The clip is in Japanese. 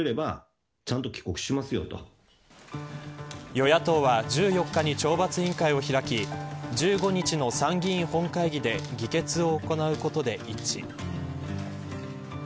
与野党は１４日に懲罰委員会を開き１５日の参議院本会議で議決を行うことで一致。